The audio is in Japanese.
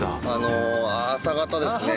朝方ですね